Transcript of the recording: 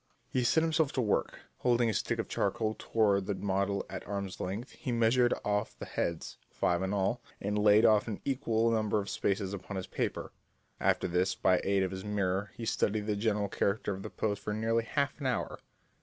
He set himself to work. Holding his stick of charcoal toward the model at arm's length, he measured off the heads, five in all, and laid off an equal number of spaces upon his paper. After this, by aid of his mirror, he studied the general character of the pose for nearly half an hour.